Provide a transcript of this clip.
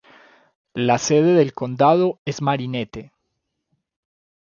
La sede del condado es Marinette.